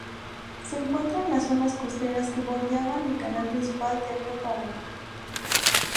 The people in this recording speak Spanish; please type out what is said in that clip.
Se encuentra en las zonas costeras que bordean el canal principal del río Paraná.